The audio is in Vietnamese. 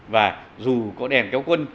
và dù có đèn cao quân